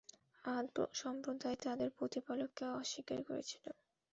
আদ সম্প্রদায় তাদের প্রতিপালককে অস্বীকার করেছিল।